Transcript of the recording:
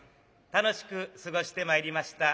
楽しく過ごしてまいりました